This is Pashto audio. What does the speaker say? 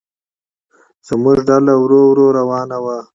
زموږ ډله ورو ورو روانه وه.